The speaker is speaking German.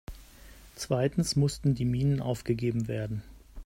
Zweitens mussten die Minen aufgegeben werden.